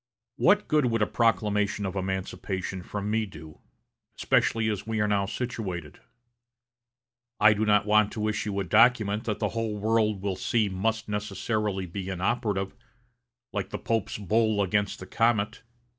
What good would a proclamation of emancipation from me do, especially as we are now situated? I do not want to issue a document that the whole world will see must necessarily be inoperative, like the Pope's bull against the comet....